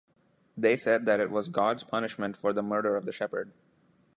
They said that it was God's punishment for the murder of the shepherd.